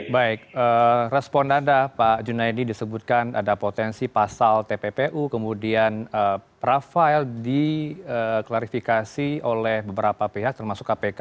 baik respon anda pak junaidi disebutkan ada potensi pasal tppu kemudian rafael diklarifikasi oleh beberapa pihak termasuk kpk